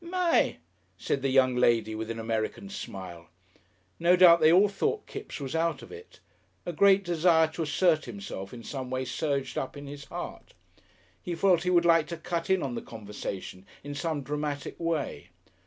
"My!" said the young lady, with an American smile. No doubt they all thought Kipps was out of it. A great desire to assert himself in some way surged up in his heart. He felt he would like to cut in on the conversation in some dramatic way.